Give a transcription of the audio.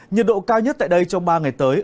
nhiệt độ cao nhất tại đây trong ba ngày tới